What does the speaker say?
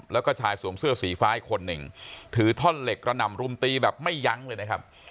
แล้วก็ชายสวมเสื้อสีฟ้าอีกคนหนึ่งถือท่อนเหล็กกระหน่ำรุมตีแบบไม่ยั้งเลยนะครับ